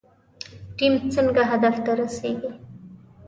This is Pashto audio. ټیم څنګه هدف ته رسیږي؟